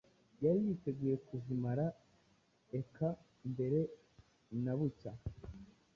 Yari yiteguye kuzimira eka mbere na bucya